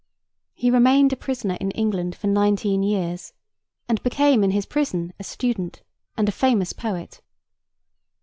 He remained a prisoner in England for nineteen years, and became in his prison a student and a famous poet.